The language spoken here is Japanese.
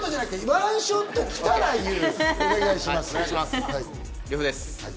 １ショットが来たら言う！